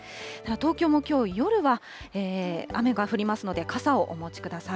東京もきょう夜は、雨が降りますので、傘をお持ちください。